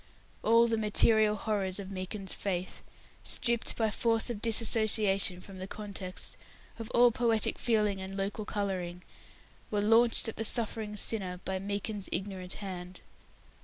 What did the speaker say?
All the material horrors of Meekin's faith stripped, by force of dissociation from the context, of all poetic feeling and local colouring were launched at the suffering sinner by Meekin's ignorant hand.